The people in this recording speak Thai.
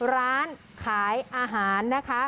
ร้านขายอาหารนะคะ